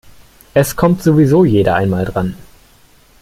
Es kommt sowieso jeder einmal dran.